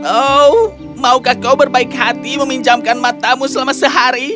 oh maukah kau berbaik hati meminjamkan matamu selama sehari